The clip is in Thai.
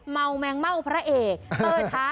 เม่าแมงเม่าพระเอกเออท้า